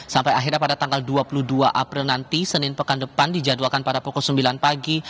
sampai akhirnya pada tanggal dua puluh dua april nanti senin pekan depan dijadwalkan pada pukul sembilan pagi